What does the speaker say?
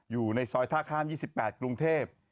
อยู่ในซอยท่าข้าม๒๘กรุงเทพ